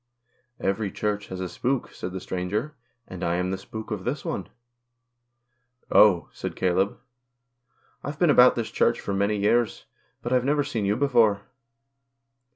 "Every Church has a spook," said the stranger, " and I am the spook of this one." " Oh," said Caleb, " I've been about this Church a many years, but I've never seen you before."